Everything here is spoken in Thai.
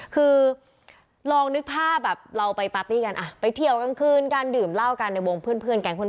คือลองนึกภาพแบบเราไปปาร์ตี้กันไปเที่ยวกลางคืนการดื่มเหล้ากันในวงเพื่อนกันเพื่อน